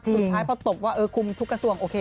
สุดท้ายพอตกว่าเออคุมทุกกระทรวงโอเค